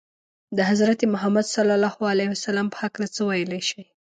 د حضرت محمد ﷺ په هکله څه ویلای شئ؟